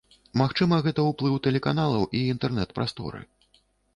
Магчыма, гэта ўплыў тэлеканалаў і інтэрнэт-прасторы.